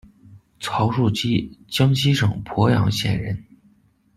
曹树基，江西省鄱阳县人。